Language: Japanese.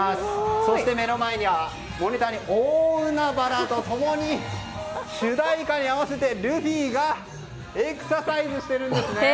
そして、目の前にはモニターに大海原と共に主題歌に合わせてルフィがエクササイズしています。